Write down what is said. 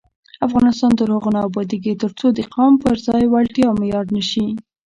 افغانستان تر هغو نه ابادیږي، ترڅو د قوم پر ځای وړتیا معیار نشي.